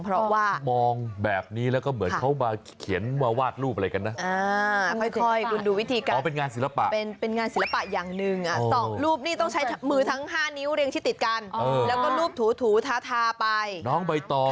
เป็นเลขอะไรอย่างนี้ครับเป็นเลขสองเลขเจ็ดเลขสี่